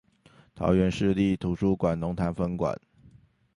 桃園市立圖書館龍潭分館